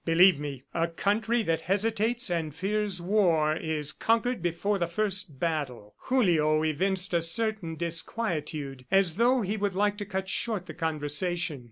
Believe me, a country that hesitates and fears war is conquered before the first battle." Julio evinced a certain disquietude, as though he would like to cut short the conversation.